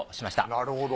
なるほど。